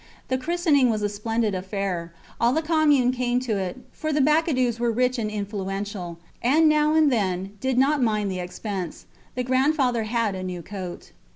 The christening was a splendid affair. All the commune came to it, for the Bacadous were rich and influential, and, now and then, did not mind the expense. The grandfather had a new coat.